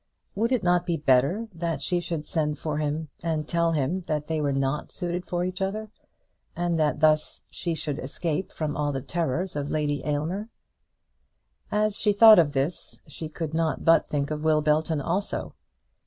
Would it not be better that she should send for him and tell him that they were not suited for each other, and that thus she should escape from all the terrors of Lady Aylmer? As she thought of this, she could not but think of Will Belton also.